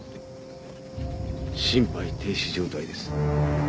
心肺停止状態です。